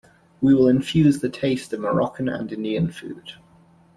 We will infuse the taste of Moroccan and Indian food.